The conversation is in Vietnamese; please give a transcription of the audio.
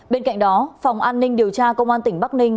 bên cạnh đó phòng an ninh điều tra công an tỉnh bắc ninh